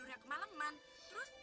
lagi masih jual